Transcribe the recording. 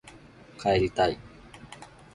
帰りたい